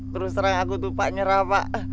terus terang aku tuh pak nyerah pak